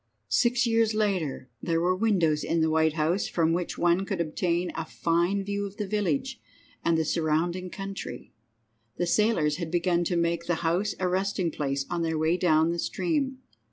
VI. Six years later there were windows in the White House from which one could obtain a fine view of the village and the surrounding country. The sailors had begun to make the House a resting place on their way down the stream.